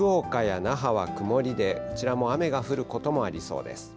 福岡や那覇は曇りで、こちらも雨が降ることもありそうです。